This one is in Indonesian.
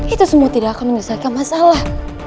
itu semua tidak akan menyelesaikan masalah